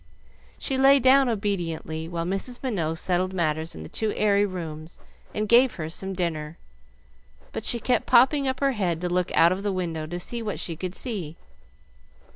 She lay down obediently while Mrs. Minot settled matters in the two airy rooms and gave her some dinner, but she kept popping up her head to look out of the window to see what she could see.